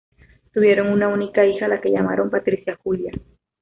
Tuvieron una única hija a la que llamaron Patricia Julia.